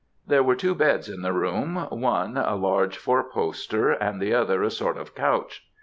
There were two beds in the room one a large four poster and the other a sort of couch.